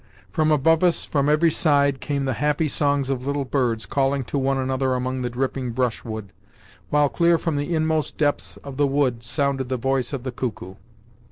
From above us, from every side, came the happy songs of little birds calling to one another among the dripping brushwood, while clear from the inmost depths of the wood sounded the voice of the cuckoo.